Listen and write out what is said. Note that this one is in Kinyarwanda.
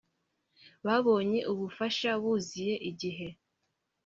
babonye ubufasha buziye igihe